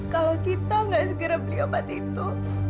kalau kita nggak segera beli obat itu